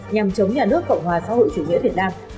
nhằm chống nhà nước cộng hòa xã hội chủ nghĩa việt nam